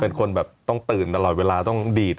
เป็นคนแบบต้องตื่นตลอดเวลาต้องดีด